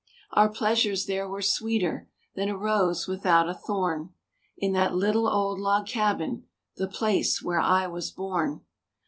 Our pleasures there were sweeter Than a rose without a thorn, In that little old log cabin,— The place where I was born.